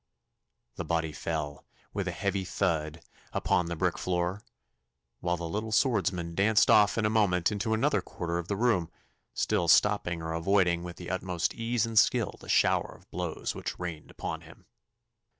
The body fell with a heavy thud upon the brick floor, while the little swordsman danced off in a moment into another quarter of the room, still stopping or avoiding with the utmost ease and skill the shower of blows which rained upon him.